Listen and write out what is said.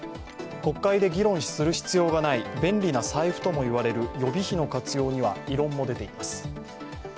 国会で議論する必要がない便利な財布とも言われる予備費の活用には異論も出ています。